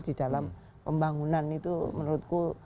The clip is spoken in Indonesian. di dalam pembangunan itu menurutku